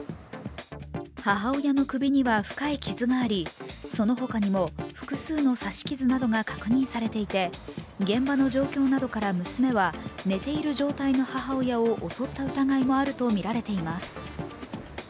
母親の首には深い傷がありそのほかにも、複数の刺し傷などが確認されていて現場の状況などから娘は寝ている状態の母親を襲った疑いもあるとみられています。